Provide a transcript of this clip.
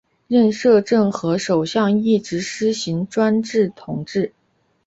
但摄政和首相一直施行专制统治。